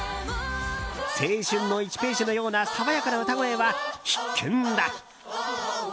青春の１ページのような爽やかな歌声は必見だ！